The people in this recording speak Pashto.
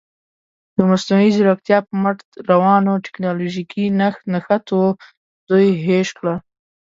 د مصنوعي زیرکتیا په مټ روانو تکنالوژیکي نښتو دوی هېښ کړل.